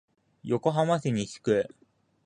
横浜市西区